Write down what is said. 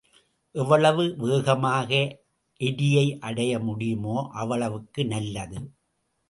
எவ்வளவு வேகமாக எரியை அடைய முடியுமோ அவ்வளவுக்கும் நல்லது.